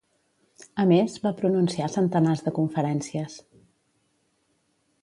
A més, va pronunciar centenars de conferències.